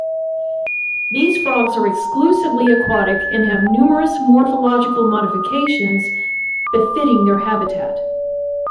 These frogs are exclusively aquatic and have numerous morphological modifications befitting their habitat.